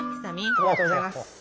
ありがとうございます。